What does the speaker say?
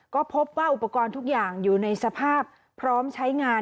ก็พบว่าอุปกรณ์ทุกอย่างอยู่ในสภาพพร้อมใช้งาน